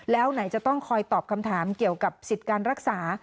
แล้วไหนจะต้องคอยตอบคำถามเกี่ยวกับสิทธิ์การรักษา